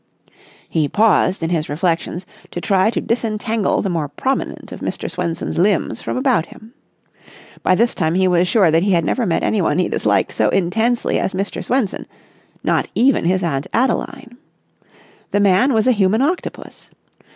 He paused in his reflections to try to disentangle the more prominent of Mr. Swenson's limbs from about him. By this time he was sure that he had never met anyone he disliked so intensely as Mr. Swenson—not even his Aunt Adeline. The man was a human octopus.